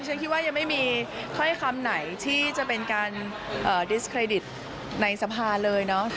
ฉันคิดว่ายังไม่มีถ้อยคำไหนที่จะเป็นการดิสเครดิตในสภาเลยเนาะ